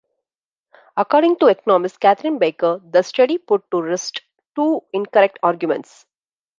According to economist Katherine Baicker, the study put to rest two incorrect arguments.